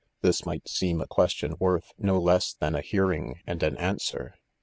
This might seem a question worth no less than a hearing and an answer.